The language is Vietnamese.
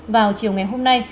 vào chiều ngày hôm nay